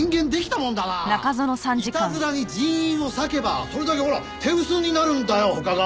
いたずらに人員を割けばそれだけ手薄になるんだよ他が。